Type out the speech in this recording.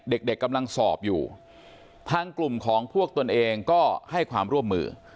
เด็กเด็กกำลังสอบอยู่ทางกลุ่มของพวกตนเองก็ให้ความร่วมมือ